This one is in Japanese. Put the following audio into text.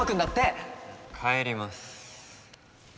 帰ります。